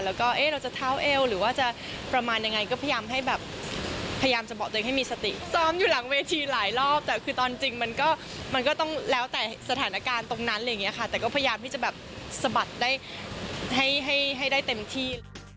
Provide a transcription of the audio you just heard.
แล้วก็เราจะเท้าเอวหรือว่าจะประมาณยังไงก็พยายามให้แบบพยายามจะบอกตัวเองให้มีสติซ้อมอยู่หลังเวทีหลายรอบแต่คือตอนจริงมันก็มันก็ต้องแล้วแต่สถานการณ์ตรงนั้นอะไรอย่างนี้ค่ะแต่ก็พยายามที่จะแบบสะบัดได้ให้ได้เต็มที่